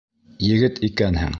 Егет икәнһең!